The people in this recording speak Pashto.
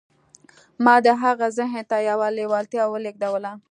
ما د هغه ذهن ته يوه لېوالتیا ولېږدوله.